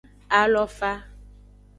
Alofa.